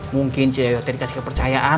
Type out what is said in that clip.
mungkin ci yoyote dikasih kepercayaan